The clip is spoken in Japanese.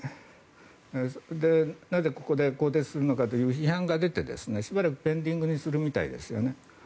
なぜここで更迭するのかという批判が出てしばらくペンディングにするみたいですね。